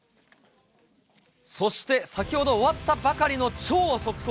そして先ほど終わったばかりの超速報。